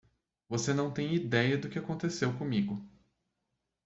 Você não tem idéia do que aconteceu comigo.